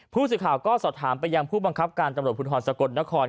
ผู้สื่อข่าวก็สอบถามไปยังผู้บังคับการตำรวจภูทรสกลนคร